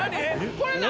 これ何？